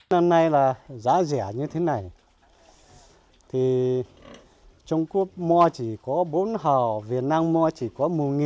năm nay là giá rẻ như thế này thì trung quốc mua chỉ có bốn hờ việt nam mua chỉ có một